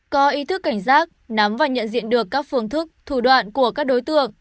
có ý thức cảnh giác nắm và nhận diện được các phương thức thủ đoạn của các đối tượng